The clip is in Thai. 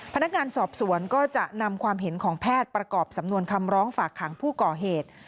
พนักงานสอบสวนก็จะนำความเห็นของแพทย์ประกอบสำนวนคำร้องฝากขังผู้ก่อเหตุ